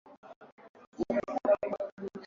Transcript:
Hospitali ya daktari huyu iko katika eneo la Madagscar.